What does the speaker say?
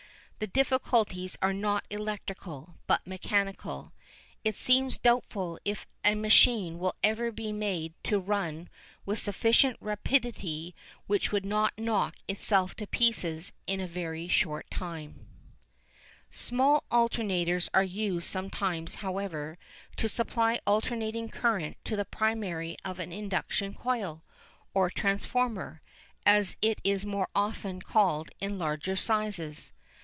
The difficulties are not electrical, but mechanical. It seems doubtful if a machine will ever be made to run with sufficient rapidity which would not knock itself to pieces in a very short time. [Illustration: FIG. 11. The simplest form of wireless antenna.] Small alternators are used sometimes, however, to supply alternating current to the primary of an induction coil, or transformer, as it is more often called in its larger sizes.